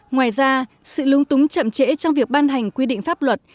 ngoài ra sự lung túng chậm trễ trong việc ban hành quy định pháp luật